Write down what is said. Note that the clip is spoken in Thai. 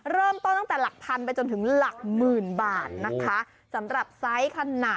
เริ่มต้นตั้งแต่หลักพันไปจนถึงหลักหมื่นบาทนะคะสำหรับไซส์ขนาด